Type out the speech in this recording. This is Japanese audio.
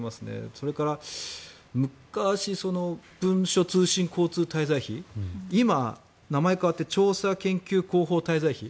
それから昔、文書通信交通滞在費今、名前が変わって調査研究広報滞在費。